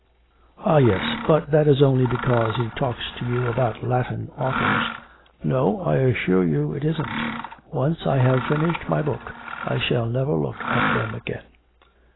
'Ah yes, but that is only because he talks to you about Latin authors.' 'No, I assure you it isn't. Once I have finished my book I shall never look at them again.'